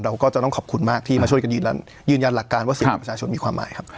เราก็จะต้องขอบคุณมากที่มาช่วยกันยืนยันหลักการว่าเสียงของประชาชนมีความหมายครับ